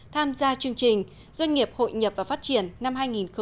tham gia chương trình doanh nghiệp hội nhập và phát triển năm hai nghìn một mươi sáu